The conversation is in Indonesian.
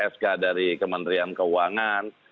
sk dari kementerian keuangan